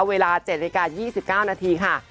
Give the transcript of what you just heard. เวลา๗อาจารย์๒๙นาทีค่ะ